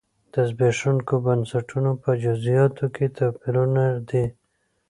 د زبېښونکو بنسټونو په جزییاتو کې توپیرونه دي.